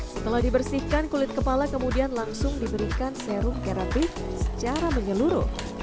setelah dibersihkan kulit kepala kemudian langsung diberikan serum terapi secara menyeluruh